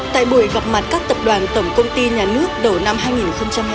tại buổi gặp mặt các tập đoàn tổng công ty nhà nước đầu năm hai nghìn hai mươi bốn